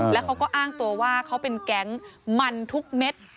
แล้วเขาก็อ้างตัวว่าเขาเป็นแก๊งมันทุกเม็ด